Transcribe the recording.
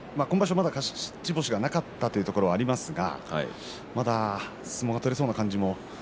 まだ勝ち星がなかったというところはありますがまだ相撲が取れそうな感じも？